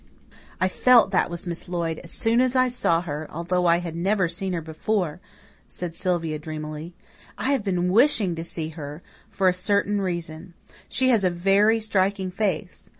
"I felt that was Miss Lloyd as soon as I saw her, although I had never seen her before," said Sylvia dreamily. "I have been wishing to see her for a certain reason. She has a very striking face.